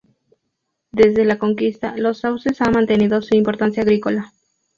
Desde la conquista, Los Sauces ha mantenido su importancia agrícola.